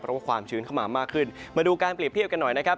เพราะว่าความชื้นเข้ามามากขึ้นมาดูการเปรียบเทียบกันหน่อยนะครับ